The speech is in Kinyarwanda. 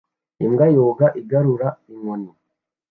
Imbwa yoga igarura inkoni